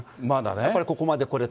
やっぱりここまで来れた。